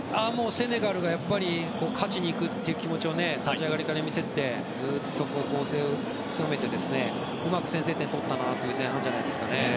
セネガルが勝ちにいくっていう気持ちを立ち上がりから見せてずっと攻勢を強めてうまく先制点を取ったなという前半じゃないでしょうかね。